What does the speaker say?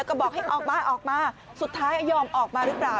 ก็บอกให้ออกมาออกมาสุดท้ายยอมออกมาหรือเปล่า